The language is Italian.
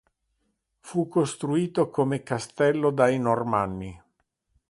Fu costruito come castello dai Normanni.